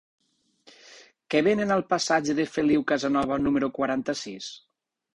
Què venen al passatge de Feliu Casanova número quaranta-sis?